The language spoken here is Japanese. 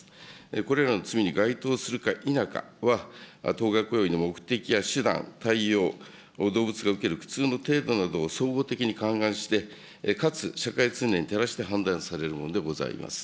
これらの罪に該当するか否かについては、当該行為の目的や手段、対応、動物が受ける苦痛の程度などを総合的に勘案して、かつ社会通念に照らして判断されるものでございます。